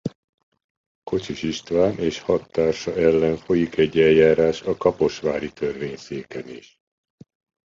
Kocsis István és hat társa ellen folyik egy eljárás a Kaposvári Törvényszéken is.